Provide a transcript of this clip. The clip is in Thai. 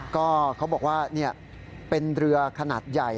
ก็เขาบอกว่าเป็นเรือขนาดใหญ่